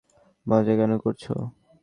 মজা কেন করছো?